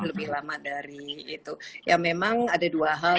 lebih lama dari itu ya memang ada dua hal